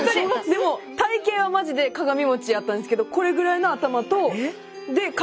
でも体形はマジで鏡餅やったんですけどこれぐらいの頭と体もこれぐらいで。